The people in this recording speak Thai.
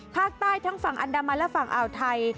ภาคใต้ทั้งฝั่งอันดามันและฝั่งอ่าวไทย